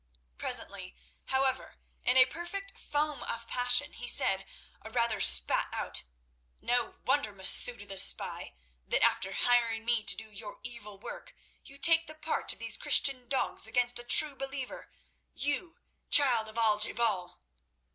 Presently, however, in a perfect foam of passion he said, or rather spat out: "No wonder, Masouda the Spy, that after hiring me to do your evil work, you take the part of these Christian dogs against a true believer, you child of Al je bal!"